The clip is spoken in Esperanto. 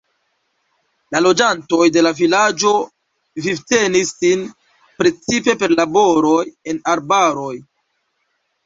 La loĝantoj de la vilaĝo vivtenis sin precipe per laboroj en arbaroj.